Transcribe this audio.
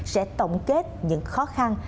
sẽ tổng kết những khó khăn